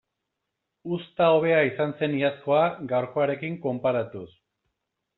Uzta hobea izan zen iazkoa gaurkoarekin konparatuz.